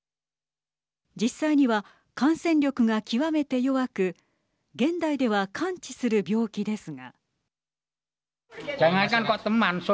実際には感染力が極めて弱く現代では完治する病気ですが。